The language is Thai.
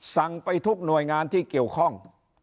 สั่งไปทุกหน่วยงานที่เกี่ยวข้อง